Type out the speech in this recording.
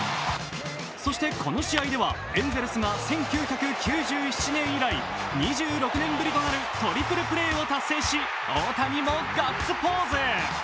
そしてこの試合ではエンゼルスが１９９７年以来、２６年ぶりとなるトリプルプレーを達成し、大谷もガッツポーズ。